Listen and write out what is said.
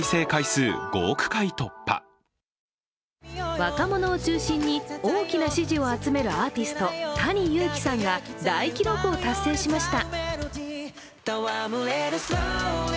若者を中心に大きな支持を集めるアーティストＴａｎｉＹｕｕｋｉさんが大記録を達成しました。